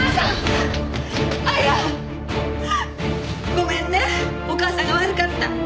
ごめんねお母さんが悪かった。